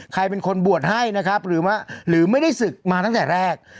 ใครเป็นคนบวชให้นะครับหรือว่าหรือไม่ได้ศึกมาตั้งแต่แรก